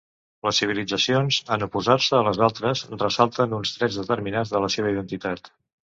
Les civilitzacions, en oposar-se a les altres, ressalten uns trets determinats de la seva identitat.